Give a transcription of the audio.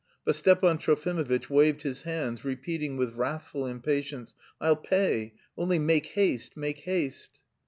But Stepan Trofimovitch waved his hands, repeating with wrathful impatience: "I'll pay, only make haste, make haste."